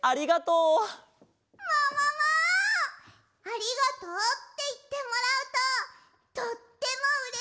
「ありがとう」っていってもらうととってもうれしくなっちゃうね！